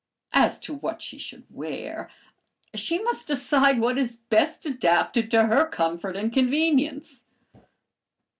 As to what she should wear, she must decide what is best adapted to her comfort and convenience.